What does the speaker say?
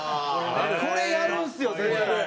これやるんですよ絶対。